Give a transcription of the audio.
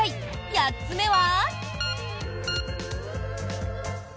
８つ目は。